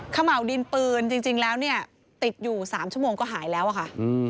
ขม่าวดินปืนจริงแล้วเนี่ยติดอยู่๓ชั่วโมงก็หายแล้วอะค่ะ